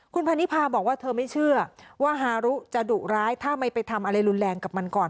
คุณพันนิพาบอกว่าเธอไม่เชื่อว่าฮารุจะดุร้ายถ้าไม่ไปทำอะไรรุนแรงกับมันก่อน